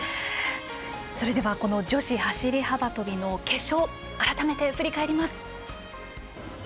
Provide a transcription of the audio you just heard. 女子走り幅跳びの決勝改めて振り返ります。